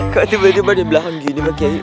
kok tiba tiba di belakang gini pak kiai